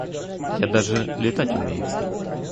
Я даже летать умею.